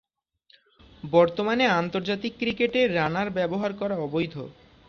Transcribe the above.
বর্তমানে আন্তর্জাতিক ক্রিকেটে রানার ব্যবহার করা অবৈধ।